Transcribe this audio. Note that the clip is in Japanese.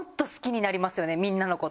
みんなのこと。